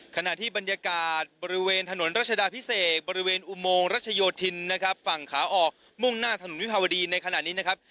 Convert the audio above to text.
ขณะที่บรรยากาศบริเวณถนนรัชดาพิเศษบริเวณอุโมงรัชโยธินนะครับฝั่งขาออกมุ่งหน้าถนนวิภาวดีในขณะนี้นะครับ